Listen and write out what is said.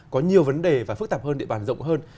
có nhiều vấn đề và phức tạp hơn địa bàn rộng hơn